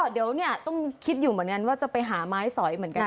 เดี๋ยวเนี่ยต้องคิดอยู่เหมือนกันว่าจะไปหาไม้สอยเหมือนกัน